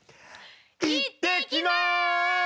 行ってきます！